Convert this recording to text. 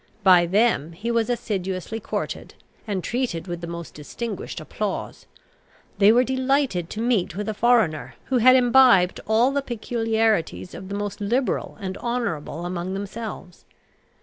By them he was assiduously courted, and treated with the most distinguished applause. They were delighted to meet with a foreigner, who had imbibed all the peculiarities of the most liberal and honourable among themselves.